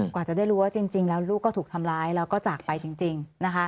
กว่าจะได้รู้ว่าจริงแล้วลูกก็ถูกทำร้ายแล้วก็จากไปจริง